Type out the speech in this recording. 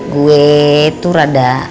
gue tuh rada